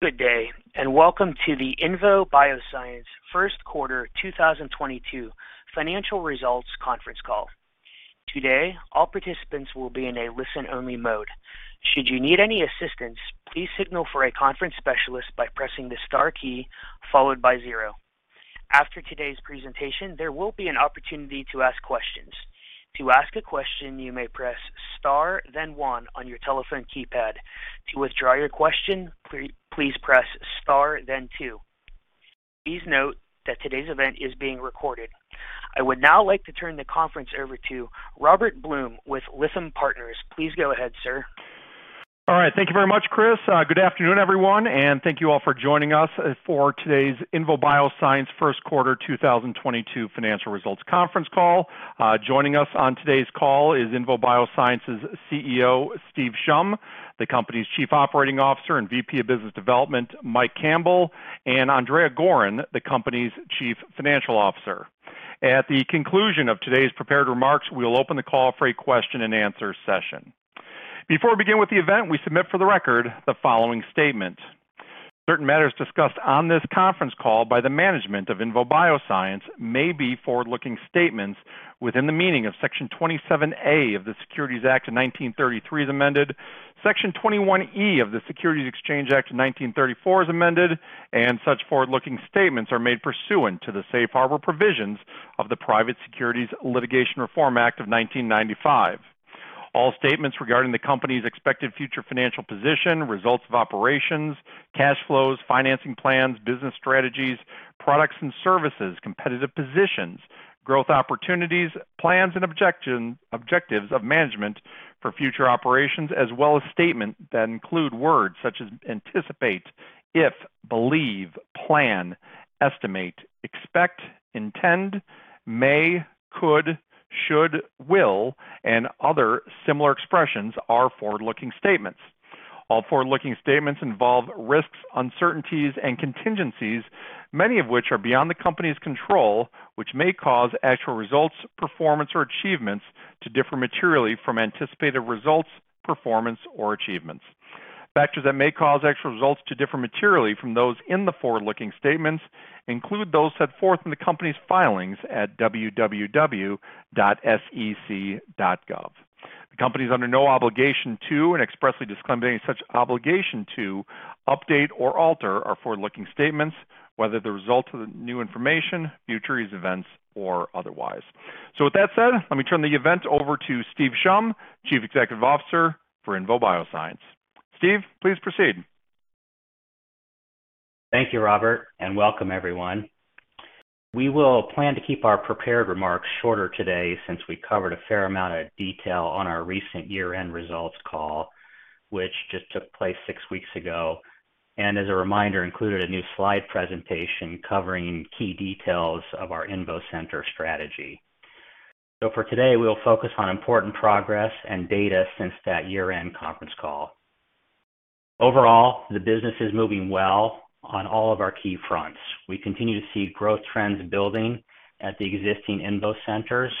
Good day, and welcome to the INVO Bioscience First Quarter 2022 Financial Results Conference Call. Today, all participants will be in a listen-only mode. Should you need any assistance, please signal for a conference specialist by pressing the star key followed by 0. After today's presentation, there will be an opportunity to ask questions. To ask a question, you may press star then 1 on your telephone keypad. To withdraw your question, please press star then 2. Please note that today's event is being recorded. I would now like to turn the conference over to Robert Blum with Lytham Partners. Please go ahead, sir. All right. Thank you very much, Chris. Good afternoon, everyone, and thank you all for joining us for today's INVO Bioscience First Quarter 2022 Financial Results Conference Call. Joining us on today's call is INVO Bioscience's CEO, Steve Shum, the company's Chief Operating Officer and VP of Business Development, Mike Campbell, and Andrea Goren, the company's Chief Financial Officer. At the conclusion of today's prepared remarks, we will open the call for a question and answer session. Before we begin with the event, we submit for the record the following statement. Certain matters discussed on this conference call by the management of INVO Bioscience may be forward-looking statements within the meaning of Section 27A of the Securities Act of 1933 as amended, Section 21E of the Securities Exchange Act of 1934 as amended, and such forward-looking statements are made pursuant to the safe harbor provisions of the Private Securities Litigation Reform Act of 1995. All statements regarding the company's expected future financial position, results of operations, cash flows, financing plans, business strategies, products and services, competitive positions, growth opportunities, plans and objectives of management for future operations, as well as statements that include words such as anticipate, if, believe, plan, estimate, expect, intend, may, could, should, will, and other similar expressions are forward-looking statements. All forward-looking statements involve risks, uncertainties and contingencies, many of which are beyond the company's control, which may cause actual results, performance or achievements to differ materially from anticipated results, performance or achievements. Factors that may cause actual results to differ materially from those in the forward-looking statements include those set forth in the company's filings at www.sec.gov. The company is under no obligation to and expressly disclaims any such obligation to update or alter our forward-looking statements, whether the result of the new information, future events or otherwise. With that said, let me turn the event over to Steve Shum, Chief Executive Officer for INVO Bioscience. Steve, please proceed. Thank you, Robert, and welcome everyone. We will plan to keep our prepared remarks shorter today since we covered a fair amount of detail on our recent year-end results call, which just took place six weeks ago, and as a reminder, included a new slide presentation covering key details of our INVO Center strategy. For today, we'll focus on important progress and data since that year-end conference call. Overall, the business is moving well on all of our key fronts. We continue to see growth trends building at the existing INVO Centers.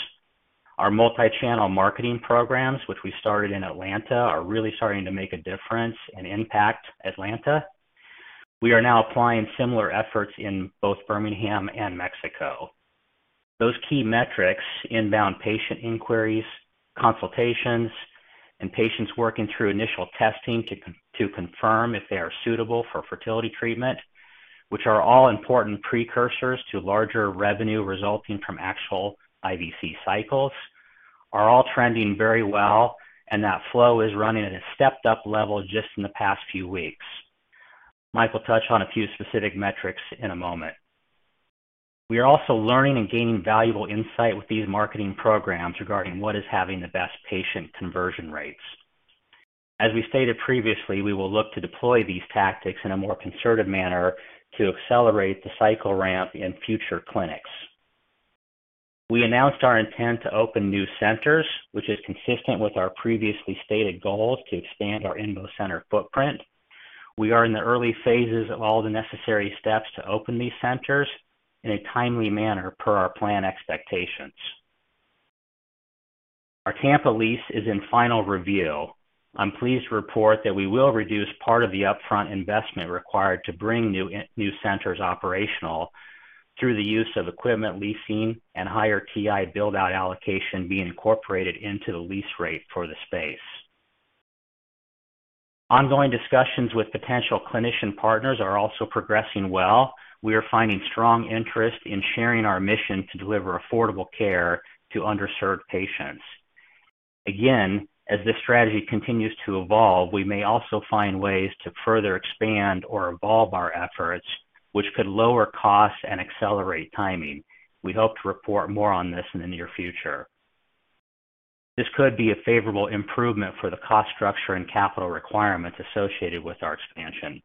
Our multi-channel marketing programs, which we started in Atlanta, are really starting to make a difference and impact Atlanta. We are now applying similar efforts in both Birmingham and Mexico. Those key metrics, inbound patient inquiries, consultations, and patients working through initial testing to confirm if they are suitable for fertility treatment, which are all important precursors to larger revenue resulting from actual IVC cycles, are all trending very well, and that flow is running at a stepped-up level just in the past few weeks. Mike will touch on a few specific metrics in a moment. We are also learning and gaining valuable insight with these marketing programs regarding what is having the best patient conversion rates. As we stated previously, we will look to deploy these tactics in a more concerted manner to accelerate the cycle ramp in future clinics. We announced our intent to open new centers, which is consistent with our previously stated goals to expand our INVO Center footprint. We are in the early phases of all the necessary steps to open these centers in a timely manner per our plan expectations. Our Tampa lease is in final review. I'm pleased to report that we will reduce part of the upfront investment required to bring new centers operational through the use of equipment leasing and higher TI build-out allocation being incorporated into the lease rate for the space. Ongoing discussions with potential clinician partners are also progressing well. We are finding strong interest in sharing our mission to deliver affordable care to underserved patients. Again, as this strategy continues to evolve, we may also find ways to further expand or evolve our efforts, which could lower costs and accelerate timing. We hope to report more on this in the near future. This could be a favorable improvement for the cost structure and capital requirements associated with our expansion.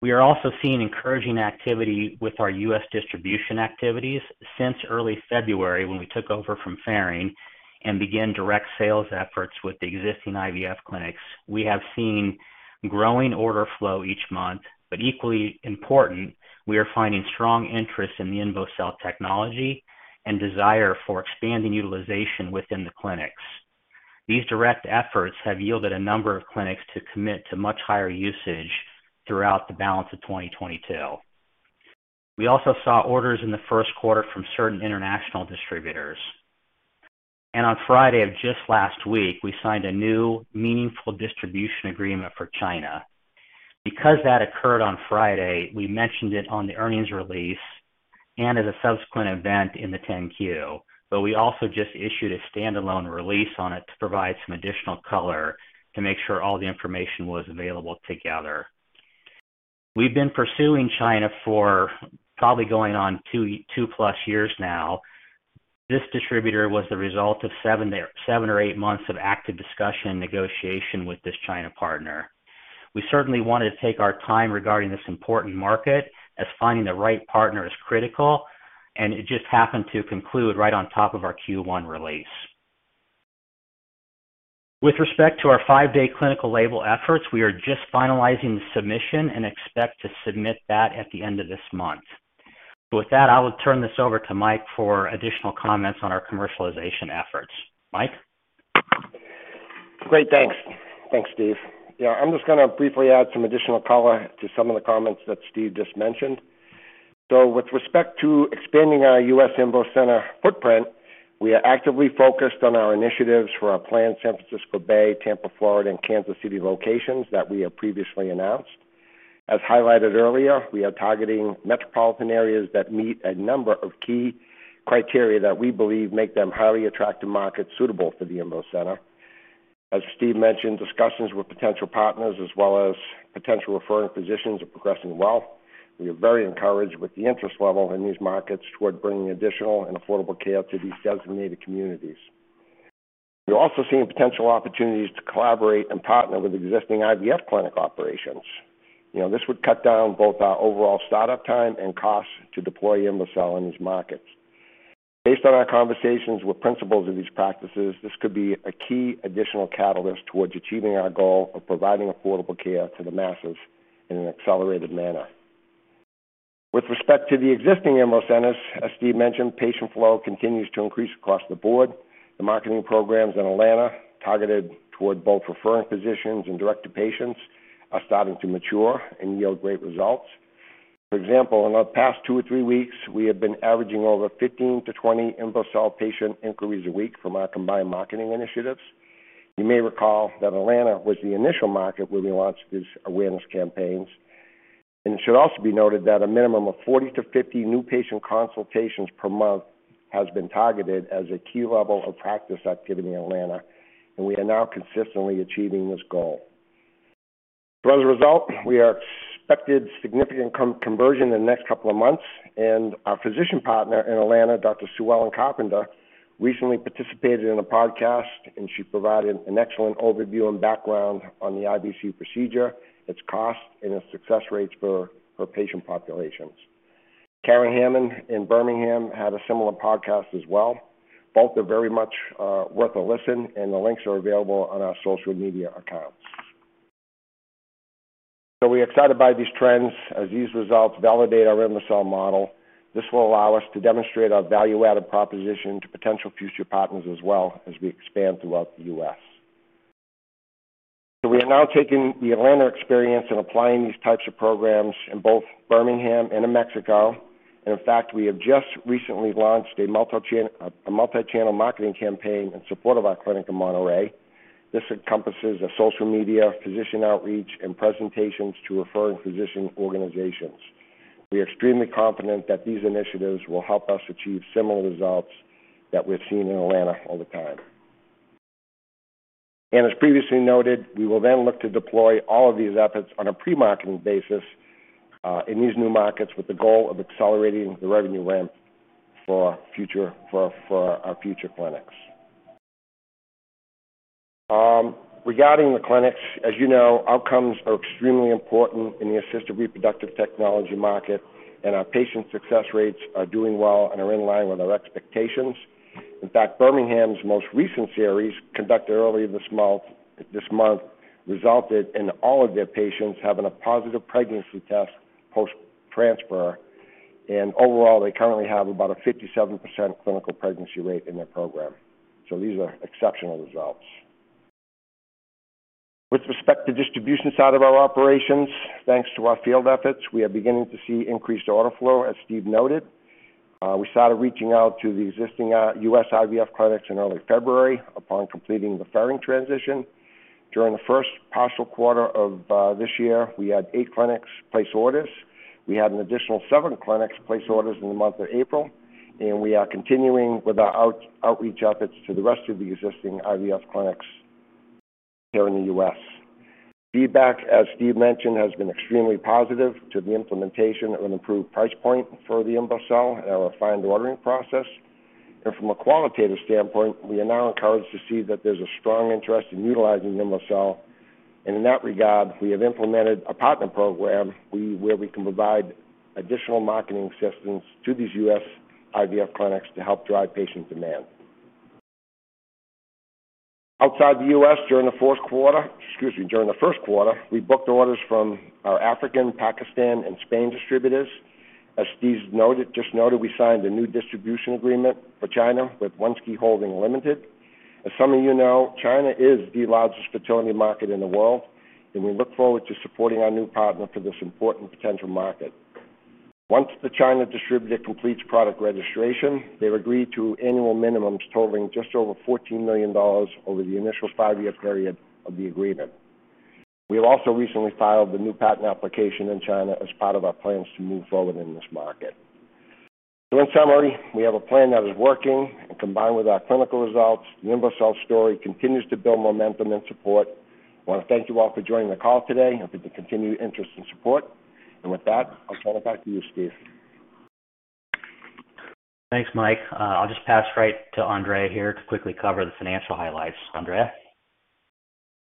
We are also seeing encouraging activity with our U.S. distribution activities. Since early February when we took over from Ferring and began direct sales efforts with the existing IVF clinics, we have seen growing order flow each month, but equally important, we are finding strong interest in the INVOcell technology and desire for expanding utilization within the clinics. These direct efforts have yielded a number of clinics to commit to much higher usage throughout the balance of 2022. We also saw orders in the first quarter from certain international distributors. On Friday of just last week, we signed a new meaningful distribution agreement for China. Because that occurred on Friday, we mentioned it on the earnings release and as a subsequent event in the 10-Q. We also just issued a standalone release on it to provide some additional color to make sure all the information was available together. We've been pursuing China for probably going on two plus years now. This distributor was the result of seven or eight months of active discussion and negotiation with this China partner. We certainly wanted to take our time regarding this important market as finding the right partner is critical, and it just happened to conclude right on top of our Q1 release. With respect to our five-day clinical label efforts, we are just finalizing the submission and expect to submit that at the end of this month. With that, I will turn this over to Mike for additional comments on our commercialization efforts. Mike? Great. Thanks. Thanks, Steve. Yeah, I'm just gonna briefly add some additional color to some of the comments that Steve just mentioned. With respect to expanding our U.S. INVO Center footprint, we are actively focused on our initiatives for our planned San Francisco Bay, Tampa, Florida, and Kansas City locations that we have previously announced. As highlighted earlier, we are targeting metropolitan areas that meet a number of key criteria that we believe make them highly attractive markets suitable for the INVO Center. As Steve mentioned, discussions with potential partners as well as potential referring physicians are progressing well. We are very encouraged with the interest level in these markets toward bringing additional and affordable care to these designated communities. We're also seeing potential opportunities to collaborate and partner with existing IVF clinic operations. You know, this would cut down both our overall startup time and costs to deploy INVOcell in these markets. Based on our conversations with principals of these practices, this could be a key additional catalyst towards achieving our goal of providing affordable care to the masses in an accelerated manner. With respect to the existing INVO Centers, as Steve mentioned, patient flow continues to increase across the board. The marketing programs in Atlanta targeted toward both referring physicians and direct to patients are starting to mature and yield great results. For example, in the past two or three weeks, we have been averaging over 15-20 INVOcell patient inquiries a week from our combined marketing initiatives. You may recall that Atlanta was the initial market where we launched these awareness campaigns. It should also be noted that a minimum of 40-50 new patient consultations per month has been targeted as a key level of practice activity in Atlanta, and we are now consistently achieving this goal. As a result, we expect significant conversion in the next couple of months, and our physician partner in Atlanta, Dr. Sue Ellen Carpenter, recently participated in a podcast, and she provided an excellent overview and background on the IVC procedure, its cost, and its success rates for patient populations. Karen Hammond in Birmingham had a similar podcast as well. Both are very much worth a listen, and the links are available on our social media accounts. We're excited by these trends as these results validate our INVOcell model. This will allow us to demonstrate our value-added proposition to potential future partners as well as we expand throughout the U.S. We are now taking the Atlanta experience and applying these types of programs in both Birmingham and in Mexico. In fact, we have just recently launched a multi-channel marketing campaign in support of our clinic in Monterrey. This encompasses a social media, physician outreach, and presentations to referring physician organizations. We are extremely confident that these initiatives will help us achieve similar results that we've seen in Atlanta all the time. As previously noted, we will then look to deploy all of these efforts on a pre-marketing basis in these new markets with the goal of accelerating the revenue ramp for our future clinics. Regarding the clinics, as you know, outcomes are extremely important in the assisted reproductive technology market, and our patient success rates are doing well and are in line with our expectations. In fact, Birmingham's most recent series, conducted early this month, resulted in all of their patients having a positive pregnancy test post-transfer. Overall, they currently have about a 57% clinical pregnancy rate in their program. These are exceptional results. With respect to distribution side of our operations, thanks to our field efforts, we are beginning to see increased order flow, as Steve noted. We started reaching out to the existing U.S. IVF clinics in early February upon completing the Ferring transition. During the first partial quarter of this year, we had eight clinics place orders. We had an additional seven clinics place orders in the month of April, and we are continuing with our outreach efforts to the rest of the existing IVF clinics here in the U.S. Feedback, as Steve mentioned, has been extremely positive to the implementation of an improved price point for the INVOcell and our refined ordering process. From a qualitative standpoint, we are now encouraged to see that there's a strong interest in utilizing INVOcell. In that regard, we have implemented a partner program where we can provide additional marketing assistance to these U.S. IVF clinics to help drive patient demand. Outside the U.S. during the fourth quarter, excuse me, during the first quarter, we booked orders from our Africa, Pakistan, and Spain distributors. As Steve just noted, we signed a new distribution agreement for China with Onesky Holdings Limited. As some of you know, China is the largest fertility market in the world, and we look forward to supporting our new partner for this important potential market. Once the China distributor completes product registration, they've agreed to annual minimums totaling just over $14 million over the initial five-year period of the agreement. We have also recently filed a new patent application in China as part of our plans to move forward in this market. In summary, we have a plan that is working, and combined with our clinical results, the INVOcell story continues to build momentum and support. I want to thank you all for joining the call today and for the continued interest and support. With that, I'll turn it back to you, Steve. Thanks, Mike. I'll just pass right to Andrea here to quickly cover the financial highlights. Andrea?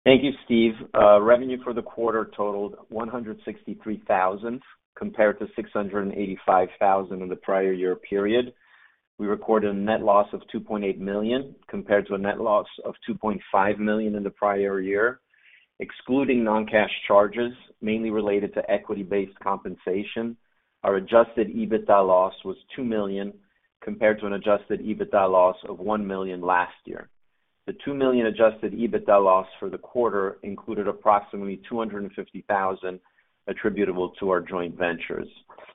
Thank you, Steve. Revenue for the quarter totaled $163,000, compared to $685,000 in the prior year period. We recorded a net loss of $2.8 million, compared to a net loss of $2.5 million in the prior year. Excluding non-cash charges, mainly related to equity-based compensation, our Adjusted EBITDA loss was $2 million, compared to an Adjusted EBITDA loss of $1 million last year. The $2 million Adjusted EBITDA loss for the quarter included approximately $250,000 attributable to our joint ventures.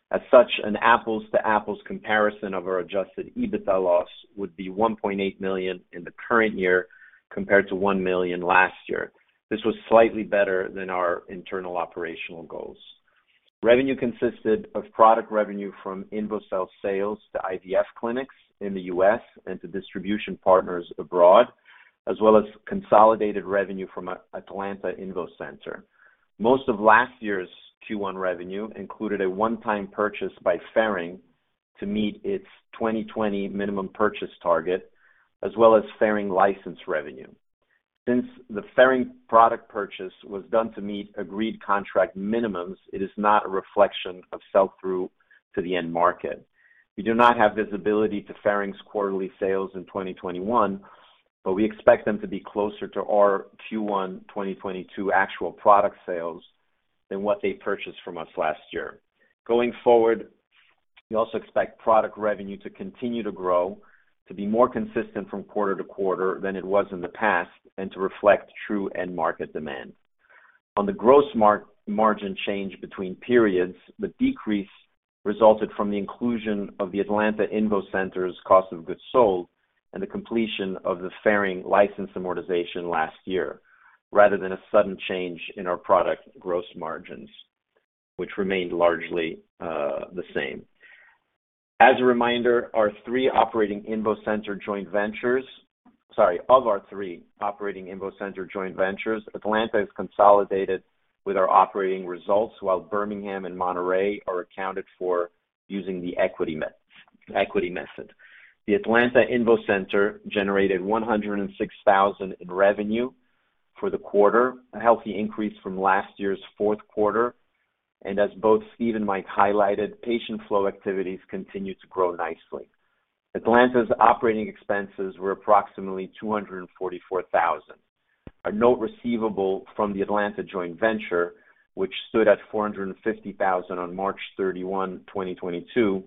As such, an apples-to-apples comparison of our Adjusted EBITDA loss would be $1.8 million in the current year compared to $1 million last year. This was slightly better than our internal operational goals. Revenue consisted of product revenue from INVOcell sales to IVF clinics in the U.S. and to distribution partners abroad, as well as consolidated revenue from Atlanta INVO Center. Most of last year's Q1 revenue included a one-time purchase by Ferring to meet its 2020 minimum purchase target, as well as Ferring license revenue. Since the Ferring product purchase was done to meet agreed contract minimums, it is not a reflection of sell-through to the end market. We do not have visibility to Ferring's quarterly sales in 2021, but we expect them to be closer to our Q1 2022 actual product sales than what they purchased from us last year. Going forward, we also expect product revenue to continue to grow, to be more consistent from quarter to quarter than it was in the past, and to reflect true end market demand. On the gross margin change between periods, the decrease resulted from the inclusion of the Atlanta INVO Center's cost of goods sold and the completion of the Ferring license amortization last year rather than a sudden change in our product gross margins, which remained largely the same. As a reminder, of our three operating INVO Center joint ventures, Atlanta is consolidated with our operating results while Birmingham and Monterrey are accounted for using the equity method. The Atlanta INVO Center generated $106,000 in revenue for the quarter, a healthy increase from last year's fourth quarter. As both Steve and Mike highlighted, patient flow activities continue to grow nicely. Atlanta's operating expenses were approximately $244,000. A note receivable from the Atlanta joint venture, which stood at $450,000 on March 31, 2022,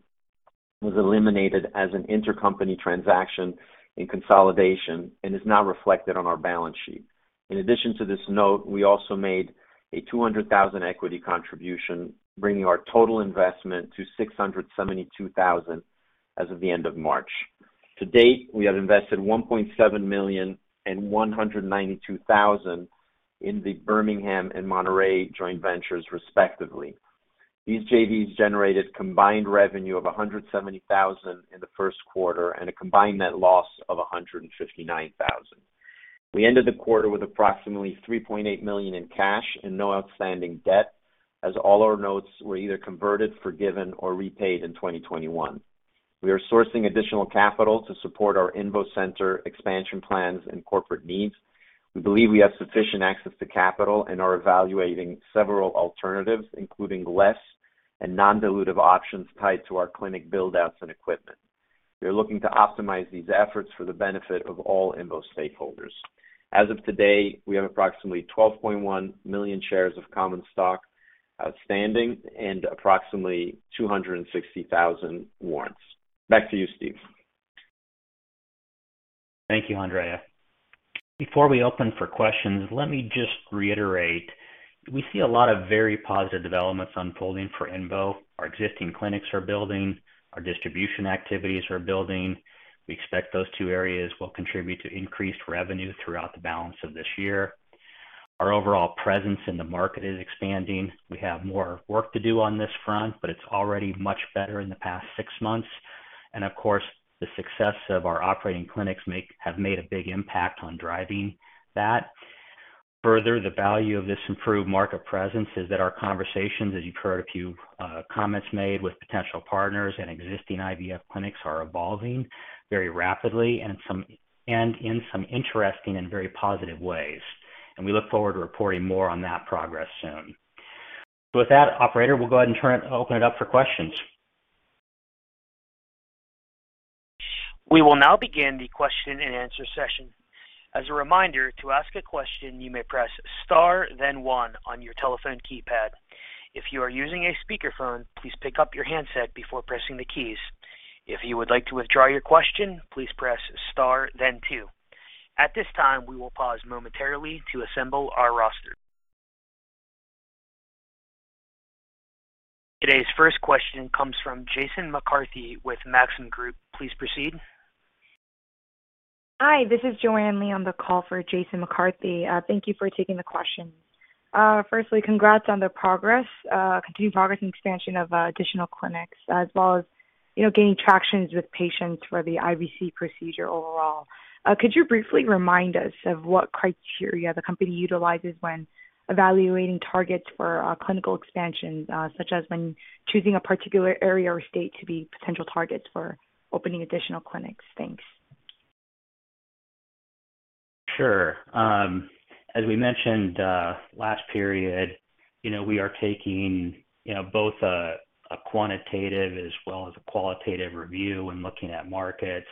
was eliminated as an intercompany transaction in consolidation and is now reflected on our balance sheet. In addition to this note, we also made a $200,000 equity contribution, bringing our total investment to $672,000 as of the end of March. To date, we have invested $1.7 million and $192,000 in the Birmingham and Monterrey joint ventures, respectively. These JVs generated combined revenue of $170,000 in the first quarter and a combined net loss of $159,000. We ended the quarter with approximately $3.8 million in cash and no outstanding debt, as all our notes were either converted, forgiven, or repaid in 2021. We are sourcing additional capital to support our INVO Center expansion plans and corporate needs. We believe we have sufficient access to capital and are evaluating several alternatives, including less and non-dilutive options tied to our clinic build-outs and equipment. We are looking to optimize these efforts for the benefit of all INVO stakeholders. As of today, we have approximately 12.1 million shares of common stock outstanding and approximately 260,000 warrants. Back to you, Steve. Thank you, Andrea. Before we open for questions, let me just reiterate, we see a lot of very positive developments unfolding for INVO. Our existing clinics are building, our distribution activities are building. We expect those two areas will contribute to increased revenue throughout the balance of this year. Our overall presence in the market is expanding. We have more work to do on this front, but it's already much better in the past six months. Of course, the success of our operating clinics have made a big impact on driving that. Further, the value of this improved market presence is that our conversations, as you've heard a few comments made with potential partners and existing IVF clinics, are evolving very rapidly and in some interesting and very positive ways. We look forward to reporting more on that progress soon. With that, operator, we'll go ahead and open it up for questions. We will now begin the question and answer session. As a reminder, to ask a question, you may press star then 1 on your telephone keypad. If you are using a speakerphone, please pick up your handset before pressing the keys. If you would like to withdraw your question, please press star then 2. At this time, we will pause momentarily to assemble our roster. Today's first question comes from Jason McCarthy with Maxim Group. Please proceed. Hi, this is Joanne Lee on the call for Jason McCarthy. Thank you for taking the question. Firstly, congrats on the progress, continued progress and expansion of additional clinics as well as, you know, gaining traction with patients for the IVC procedure overall. Could you briefly remind us of what criteria the company utilizes when evaluating targets for clinical expansion, such as when choosing a particular area or state to be potential targets for opening additional clinics? Thanks. Sure. As we mentioned last period, you know, we are taking, you know, both a quantitative as well as a qualitative review when looking at markets.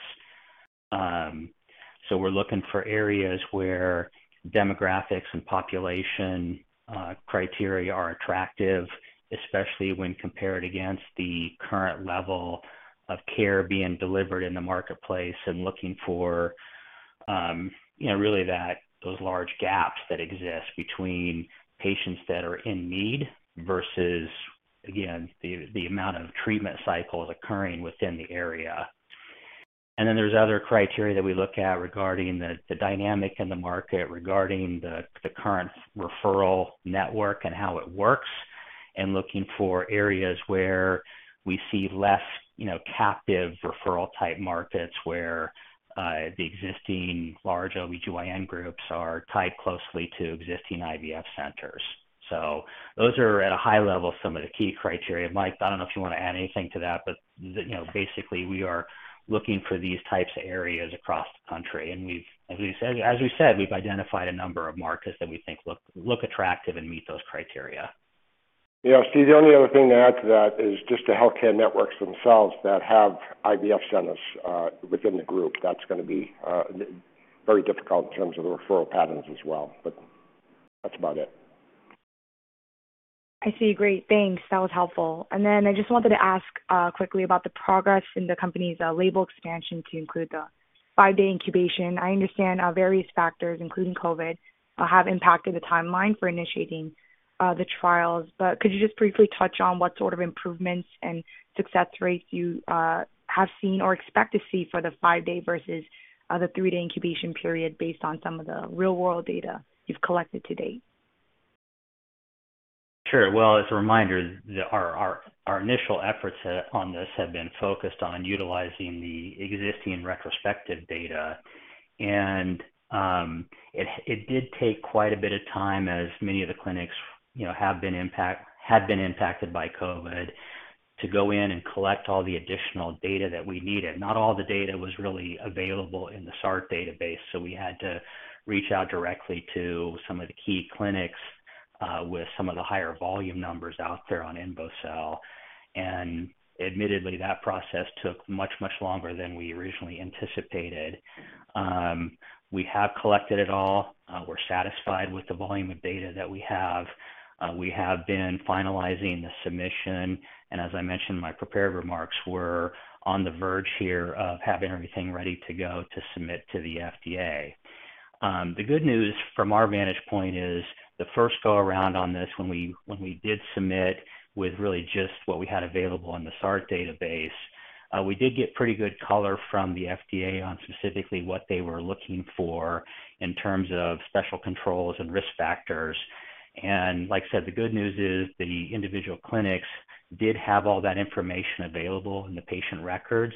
So we're looking for areas where demographics and population criteria are attractive, especially when compared against the current level of care being delivered in the marketplace and looking for, you know, really that, those large gaps that exist between patients that are in need versus, again, the amount of treatment cycles occurring within the area. Then there's other criteria that we look at regarding the dynamic in the market, regarding the current referral network and how it works, and looking for areas where we see less, you know, captive referral type markets where the existing large OBGYN groups are tied closely to existing IVF centers. Those are at a high level some of the key criteria. Mike, I don't know if you want to add anything to that, but you know, basically we are looking for these types of areas across the country. We've, as we said, we've identified a number of markets that we think look attractive and meet those criteria. Yeah. Steve, the only other thing to add to that is just the healthcare networks themselves that have IVF centers within the group. That's gonna be very difficult in terms of the referral patterns as well. That's about it. I see. Great. Thanks. That was helpful. I just wanted to ask, quickly about the progress in the company's, label expansion to include the five-day incubation. I understand how various factors, including COVID, have impacted the timeline for initiating, the trials, but could you just briefly touch on what sort of improvements and success rates you, have seen or expect to see for the five-day versus, the three-day incubation period based on some of the real world data you've collected to date? Sure. Well, as a reminder, our initial efforts on this have been focused on utilizing the existing retrospective data. It did take quite a bit of time as many of the clinics, you know, had been impacted by COVID to go in and collect all the additional data that we needed. Not all the data was really available in the SART database, so we had to reach out directly to some of the key clinics with some of the higher volume numbers out there on INVOcell. Admittedly, that process took much longer than we originally anticipated. We have collected it all. We're satisfied with the volume of data that we have. We have been finalizing the submission, and as I mentioned in my prepared remarks, we're on the verge here of having everything ready to go to submit to the FDA. The good news from our vantage point is the first go-around on this when we did submit with really just what we had available on the SART database, we did get pretty good color from the FDA on specifically what they were looking for in terms of special controls and risk factors. Like I said, the good news is the individual clinics did have all that information available in the patient records.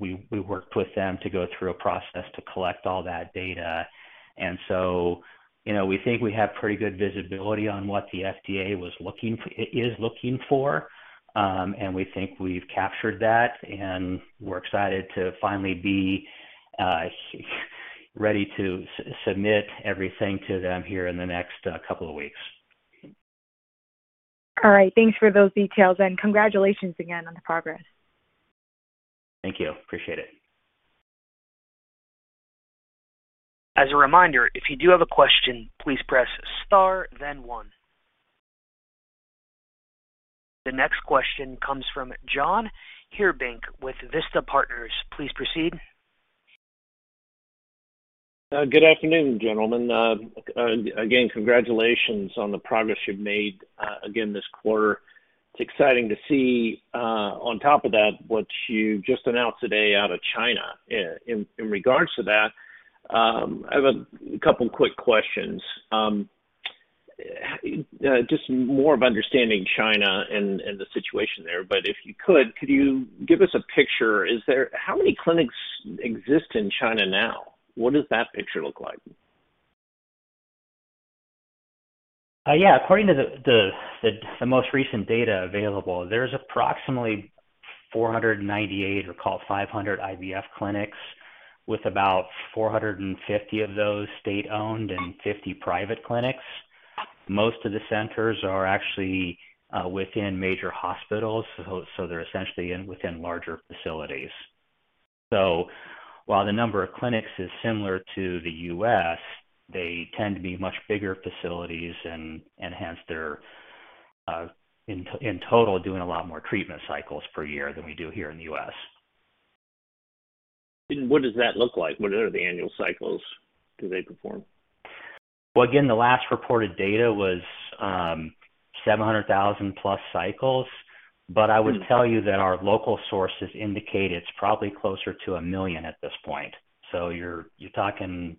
We worked with them to go through a process to collect all that data. You know, we think we have pretty good visibility on what the FDA is looking for, and we think we've captured that, and we're excited to finally be ready to submit everything to them here in the next couple of weeks. All right. Thanks for those details, and congratulations again on the progress. Thank you. Appreciate it. As a reminder, if you do have a question, please press star then 1. The next question comes from John Heerdink with Vista Partners. Please proceed. Good afternoon, gentlemen. Again, congratulations on the progress you've made again this quarter. It's exciting to see on top of that what you've just announced today out of China. In regards to that, I have a couple quick questions. Just more of understanding China and the situation there, but if you could give us a picture? How many clinics exist in China now? What does that picture look like? Yeah. According to the most recent data available, there's approximately 498 or call it 500 IVF clinics, with about 450 of those state-owned and 50 private clinics. Most of the centers are actually within major hospitals. They're essentially within larger facilities. While the number of clinics is similar to the U.S., they tend to be much bigger facilities and hence they're in total doing a lot more treatment cycles per year than we do here in the U.S. What does that look like? What are the annual cycles that they perform? Well, again, the last reported data was 700,000+ cycles. I would tell you that our local sources indicate it's probably closer to 1 million at this point. You're talking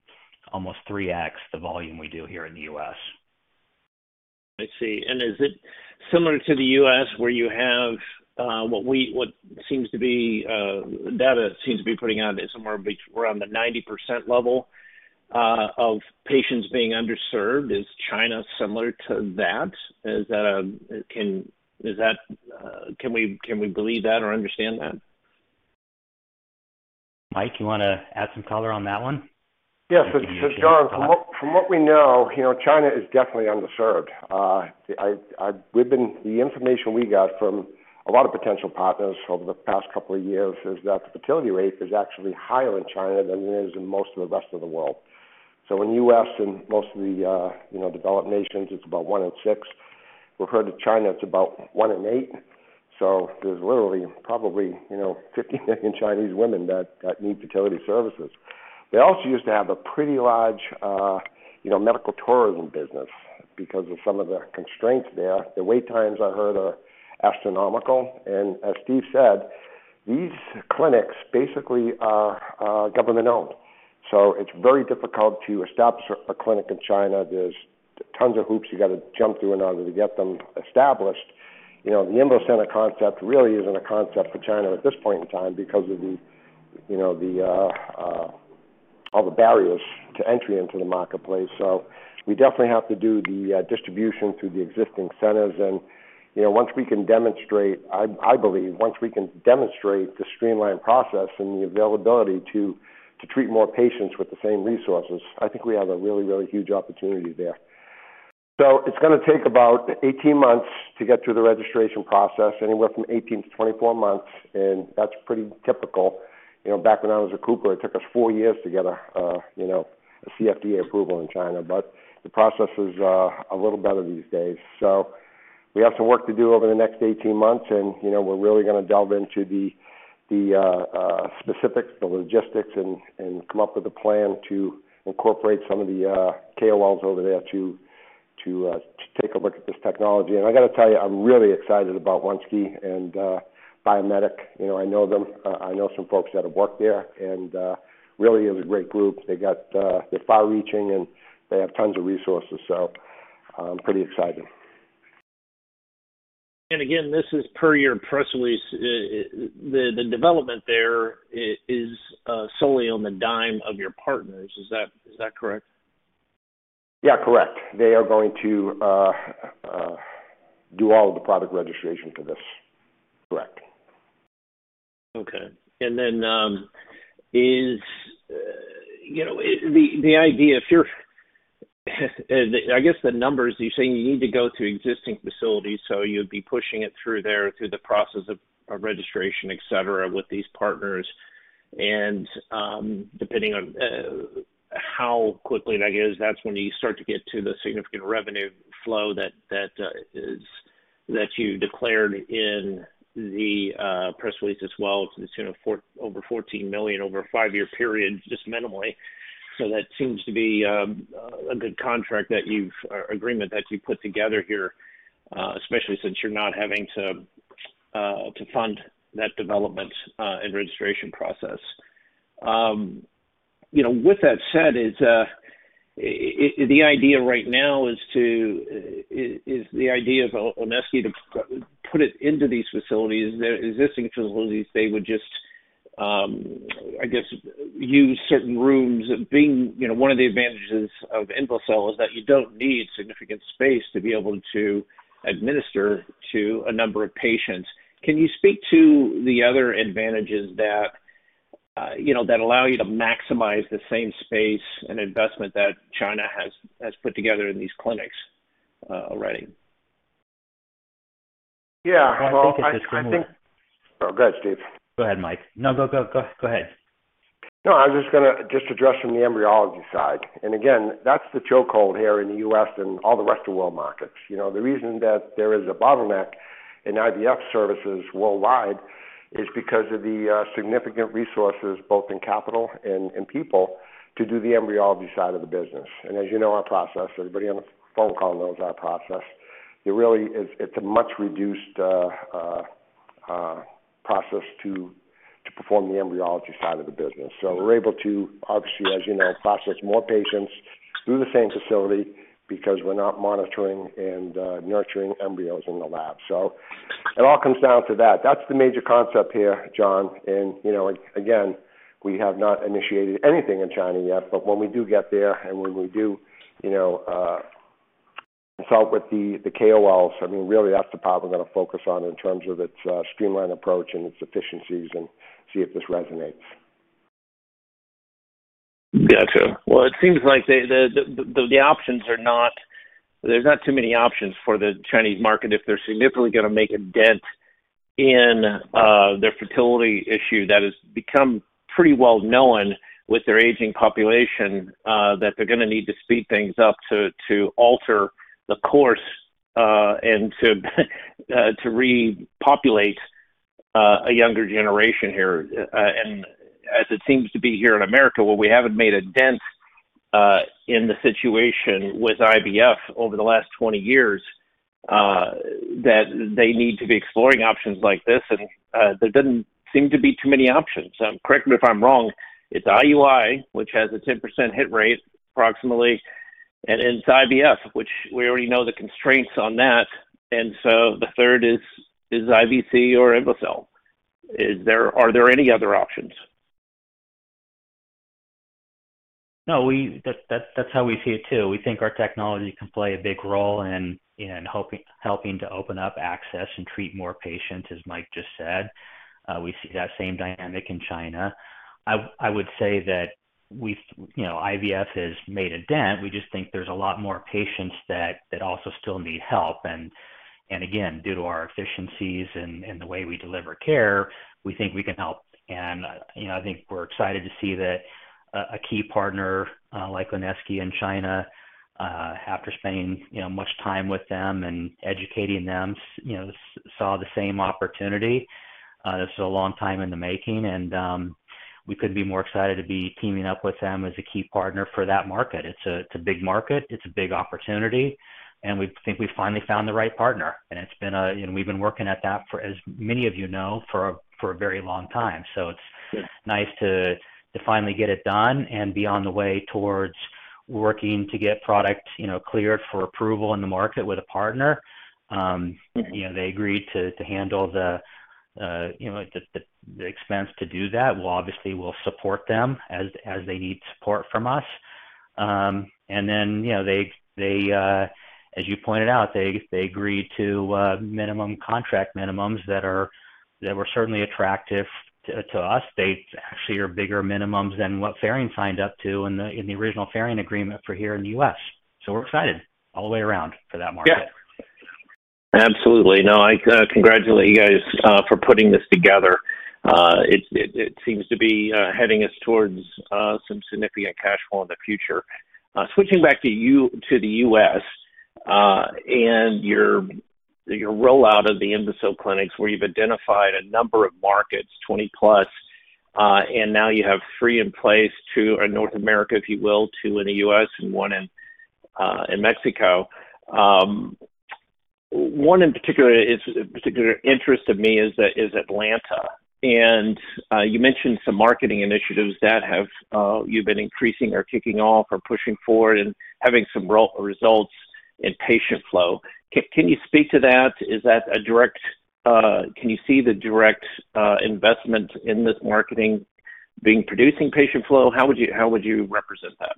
almost 3x the volume we do here in the U.S. I see. Is it similar to the U.S. where you have what seems to be data seems to be putting out is somewhere around the 90% level of patients being underserved. Is China similar to that? Is that can we believe that or understand that? Mike, you wanna add some color on that one? Yes, John, from what we know, you know, China is definitely underserved. The information we got from a lot of potential partners over the past couple of years is that the fertility rate is actually higher in China than it is in most of the rest of the world. In U.S. and most of the developed nations, it's about one in six. We've heard in China, it's about one in eight. There's literally probably, you know, 50 million Chinese women that need fertility services. They also used to have a pretty large medical tourism business because of some of the constraints there. The wait times I heard are astronomical. As Steve said, these clinics basically are government-owned, so it's very difficult to establish a clinic in China. There's tons of hoops you gotta jump through in order to get them established. You know, the INVO Center concept really isn't a concept for China at this point in time because of the, you know, all the barriers to entry into the marketplace. We definitely have to do the distribution through the existing centers. You know, I believe once we can demonstrate the streamlined process and the availability to treat more patients with the same resources, I think we have a really, really huge opportunity there. It's gonna take about 18 months to get through the registration process, anywhere from 18-24 months, and that's pretty typical. You know, back when I was at CooperSurgical, it took us four years to get a, you know, a CFDA approval in China, but the process is a little better these days. We have some work to do over the next 18 months. You know, we're really gonna delve into the specifics, the logistics and come up with a plan to incorporate some of the KOLs over there to take a look at this technology. I gotta tell you, I'm really excited about Onesky and Biomedic. You know, I know them. I know some folks that have worked there, and really is a great group. They're far-reaching, and they have tons of resources, so pretty exciting. Again, this is per your press release. The development there is solely on the dime of your partners. Is that correct? Yeah, correct. They are going to do all of the product registration for this. Correct. Okay. The idea if you're—I guess the numbers you're saying you need to go through existing facilities, so you'd be pushing it through there, through the process of registration, et cetera, with these partners. Depending on how quickly that goes, that's when you start to get to the significant revenue flow that you declared in the press release as well. It's for over $14 million over a five-year period, just minimally. That seems to be a good contract or agreement that you've put together here, especially since you're not having to fund that development and registration process. You know, with that said, is the idea of Onesky to put it into these facilities, their existing facilities, they would just, I guess, use certain rooms and being, you know, one of the advantages of INVOcell is that you don't need significant space to be able to administer to a number of patients. Can you speak to the other advantages that, you know, that allow you to maximize the same space and investment that China has put together in these clinics already? Yeah. Well, I think- I think it's a similar- Oh, go ahead, Steve. Go ahead, Mike. No, go. Go ahead. No, I was just gonna address from the embryology side. Again, that's the chokepoint here in the U.S. and all the rest of the world markets. You know, the reason that there is a bottleneck in IVF services worldwide is because of the significant resources, both in capital and in people, to do the embryology side of the business. As you know our process, everybody on the phone call knows our process, it really is a much reduced process to perform the embryology side of the business. We're able to obviously, as you know, process more patients through the same facility because we're not monitoring and nurturing embryos in the lab. It all comes down to that. That's the major concept here, John. You know, again, we have not initiated anything in China yet, but when we do get there and when we do, you know, consult with the KOLs, I mean, really that's the part we're gonna focus on in terms of its streamlined approach and its efficiencies and see if this resonates. Gotcha. Well, it seems like there's not too many options for the Chinese market if they're significantly going to make a dent in their fertility issue that has become pretty well known with their aging population, that they're gonna need to speed things up to alter the course, and to repopulate a younger generation here. As it seems to be here in America, where we haven't made a dent in the situation with IVF over the last 20 years, that they need to be exploring options like this. There doesn't seem to be too many options. Correct me if I'm wrong. It's IUI, which has a 10% hit rate approximately, and it's IVF, which we already know the constraints on that. The third is IVC or INVOcell. Are there any other options? No, that's how we see it too. We think our technology can play a big role in helping to open up access and treat more patients, as Mike just said. We see that same dynamic in China. I would say that we've, you know, IVF has made a dent. We just think there's a lot more patients that also still need help. Again, due to our efficiencies and the way we deliver care, we think we can help. You know, I think we're excited to see that a key partner like Onesky in China, after spending, you know, much time with them and educating them, saw the same opportunity. This is a long time in the making, and we couldn't be more excited to be teaming up with them as a key partner for that market. It's a big market, it's a big opportunity, and we think we finally found the right partner. It's been. You know, we've been working at that for, as many of you know, for a very long time. It's nice to finally get it done and be on the way towards working to get product, you know, cleared for approval in the market with a partner. You know, they agreed to handle the, you know, the expense to do that. We'll obviously support them as they need support from us. You know, as you pointed out, they agreed to minimum contract minimums that were certainly attractive to us. They actually are bigger minimums than what Ferring signed up to in the original Ferring agreement for here in the U.S. We're excited all the way around for that market. Yeah. Absolutely. No, I congratulate you guys for putting this together. It seems to be heading us towards some significant cash flow in the future. Switching back to the U.S. and your rollout of the INVOcell clinics where you've identified a number of markets, 20+, and now you have three in place, two in North America, if you will, two in the U.S. and one in Mexico. One in particular of particular interest to me is Atlanta. You mentioned some marketing initiatives that you've been increasing or kicking off or pushing forward and having some results in patient flow. Can you speak to that? Is that a direct, can you see the direct investment in this marketing being producing patient flow? How would you represent that?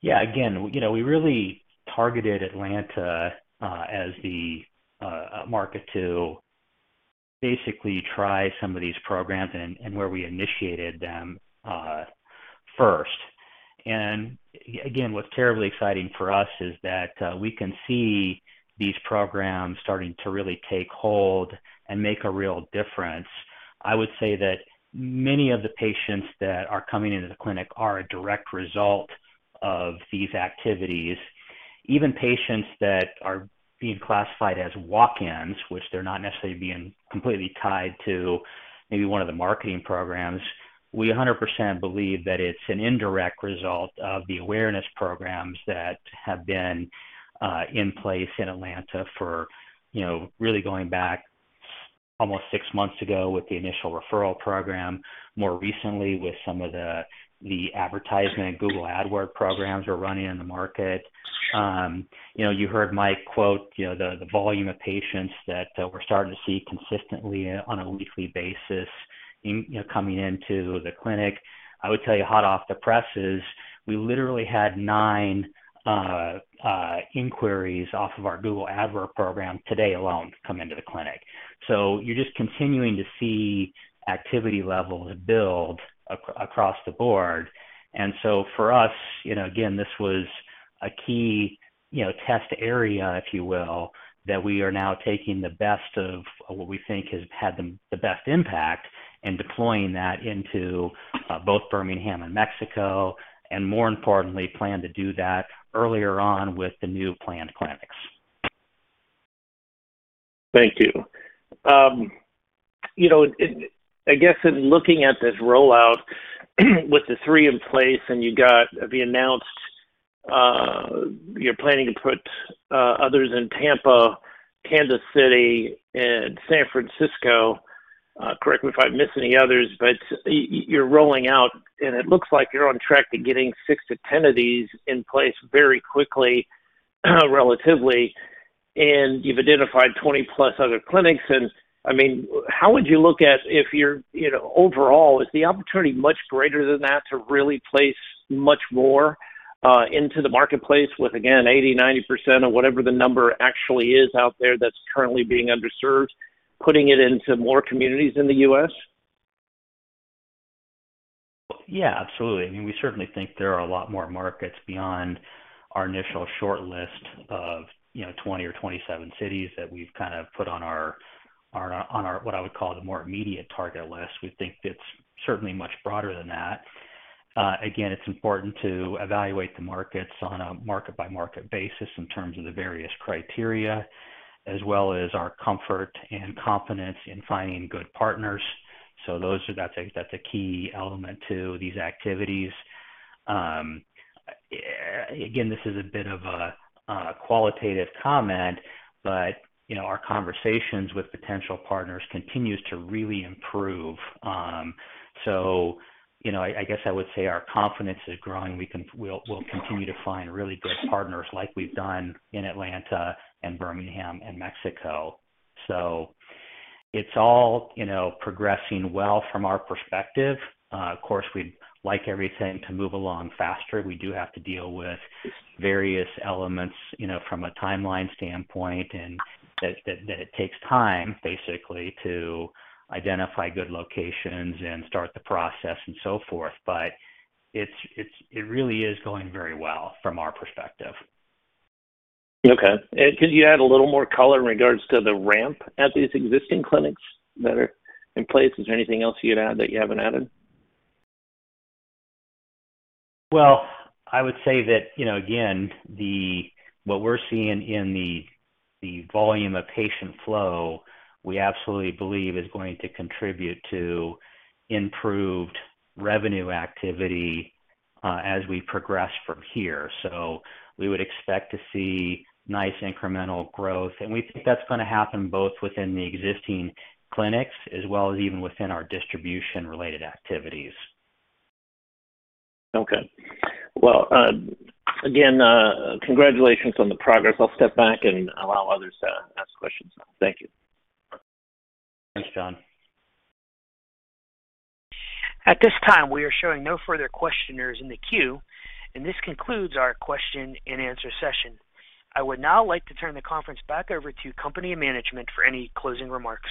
Yeah. Again, you know, we really targeted Atlanta, as the market to basically try some of these programs and where we initiated them first. Again, what's terribly exciting for us is that we can see these programs starting to really take hold and make a real difference. I would say that many of the patients that are coming into the clinic are a direct result of these activities. Even patients that are being classified as walk-ins, which they're not necessarily being completely tied to maybe one of the marketing programs, we 100% believe that it's an indirect result of the awareness programs that have been in place in Atlanta for, you know, really going back almost six months ago with the initial referral program, more recently with some of the advertisement Google Ads programs we're running in the market. You know, you heard Mike quote the volume of patients that we're starting to see consistently on a weekly basis in coming into the clinic. I would tell you hot off the presses, we literally had nine inquiries off of our Google Ads program today alone come into the clinic. You're just continuing to see activity levels build across the board. For us, you know, again, this was a key test area, if you will, that we are now taking the best of what we think has had the best impact and deploying that into both Birmingham and Mexico, and more importantly, plan to do that earlier on with the new planned clinics. Thank you. You know, I guess in looking at this rollout with the three in place and you got the announced, you're planning to put others in Tampa, Kansas City, and San Francisco, correct me if I'm missing any others, but you're rolling out and it looks like you're on track to getting 6-10 of these in place very quickly, relatively. You've identified 20 plus other clinics. I mean, how would you look at if you're, you know, overall, is the opportunity much greater than that to really place much more into the marketplace with again, 80%-90% of whatever the number actually is out there that's currently being underserved, putting it into more communities in the U.S.? Yeah, absolutely. I mean, we certainly think there are a lot more markets beyond our initial short list of, you know, 20 or 27 cities that we've kind of put on our, on our, what I would call the more immediate target list. We think it's certainly much broader than that. Again, it's important to evaluate the markets on a market-by-market basis in terms of the various criteria, as well as our comfort and confidence in finding good partners. Those are the things that the key element to these activities. Again, this is a bit of a qualitative comment, but, you know, our conversations with potential partners continues to really improve. So, you know, I guess I would say our confidence is growing. We'll continue to find really good partners like we've done in Atlanta and Birmingham and Mexico. It's all, you know, progressing well from our perspective. Of course, we'd like everything to move along faster. We do have to deal with various elements, you know, from a timeline standpoint and that it takes time basically to identify good locations and start the process and so forth. It really is going very well from our perspective. Okay. Could you add a little more color in regards to the ramp at these existing clinics that are in place? Is there anything else you'd add that you haven't added? Well, I would say that, you know, again, what we're seeing in the volume of patient flow, we absolutely believe is going to contribute to improved revenue activity, as we progress from here. We would expect to see nice incremental growth, and we think that's gonna happen both within the existing clinics as well as even within our distribution-related activities. Okay. Well, again, congratulations on the progress. I'll step back and allow others to ask questions now. Thank you. Thanks, John. At this time, we are showing no further questioners in the queue, and this concludes our question-and-answer session. I would now like to turn the conference back over to company management for any closing remarks.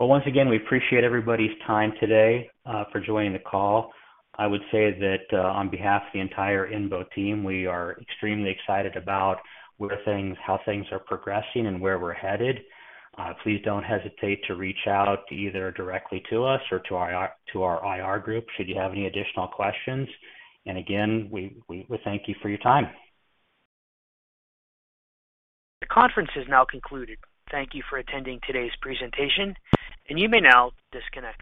Well, once again, we appreciate everybody's time today for joining the call. I would say that on behalf of the entire INVO team, we are extremely excited about where things, how things are progressing and where we're headed. Please don't hesitate to reach out either directly to us or to our IR group should you have any additional questions. Again, we thank you for your time. The conference is now concluded. Thank you for attending today's presentation, and you may now disconnect.